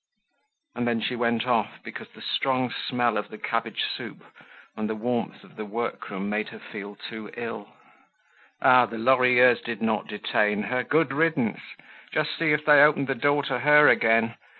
And then she went off, because the strong smell of the cabbage soup and the warmth of the workroom made her feel too ill. Ah! the Lorilleuxs did not detain her. Good riddance; just see if they opened the door to her again.